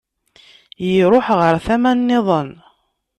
Iruḥ ɣer tama-nniḍen.